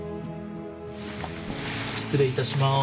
失礼いたします。